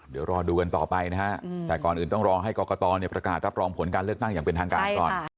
เดี๋ยวรอดูกันต่อไปนะฮะแต่ก่อนอื่นต้องรอให้กรกตประกาศรับรองผลการเลือกตั้งอย่างเป็นทางการก่อน